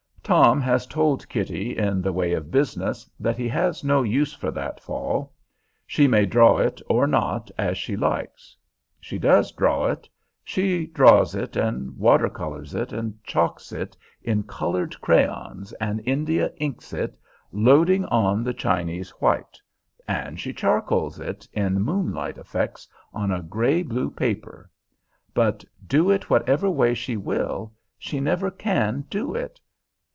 Tom has told Kitty, in the way of business, that he has no use for that fall. She may draw it or not, as she likes. She does draw it; she draws it, and water colors it, and chalks it in colored crayons, and India inks it, loading on the Chinese white; and she charcoals it, in moonlight effects, on a gray blue paper. But do it whatever way she will, she never can do it.